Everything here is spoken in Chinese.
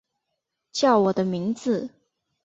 叫我的名字